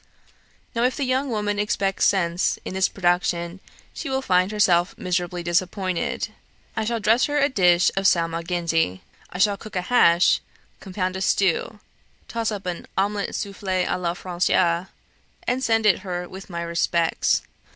Now if the young woman expects sense in this production, she will find herself miserably disappointed. I shall dress her a dish of salmagundi I shall cook a hash compound a stew toss up an omelette soufflee a la Francaise, and send it her with my respects.